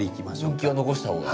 分岐は残した方が？